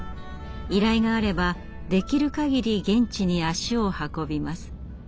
依頼があればできるかぎり現地に足を運びます。